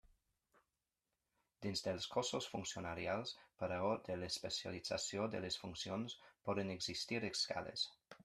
Dins dels cossos funcionarials, per raó de l'especialització de les funcions, poden existir escales.